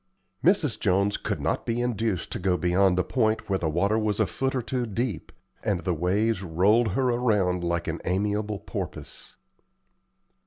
Mrs. Jones could not be induced to go beyond a point where the water was a foot or two deep, and the waves rolled her around like an amiable porpoise.